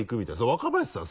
若林さん